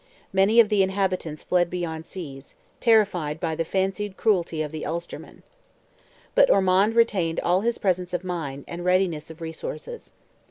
Many of the inhabitants fled beyond seas, terrified by the fancied cruelty of the Ulstermen. But Ormond retained all his presence of mind, and readiness of resources.